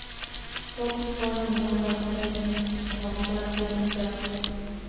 Fox fue nominado al Emmy como mejor actor invitado.